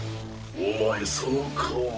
お前その顔は。